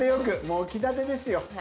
もう気立てですよ。